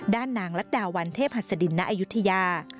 ด้านนางลัดดาววันเทพศาสดินณอยุธยา